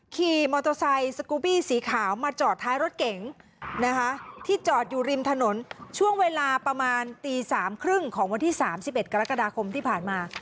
ขี่มอเตอร์ไซค์สกูบี้สีขาวมาจอดท้ายรถเก๋งนะคะที่จอดอยู่ริมถนนช่วงเวลาประมาณตี๓๓๐ของวันที่๓๑กรกฎาคมที่ผ่านมา